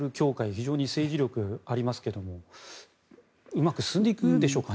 非常に政治力ありますけれどもうまく進んでいくんでしょうか。